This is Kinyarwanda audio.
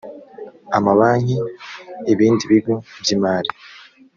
amabanki ibindi bigo by imari